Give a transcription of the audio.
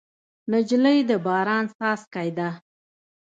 نجلۍ د باران څاڅکی ده.